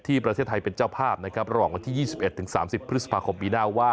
ประเทศไทยเป็นเจ้าภาพนะครับระหว่างวันที่๒๑๓๐พฤษภาคมปีหน้าว่า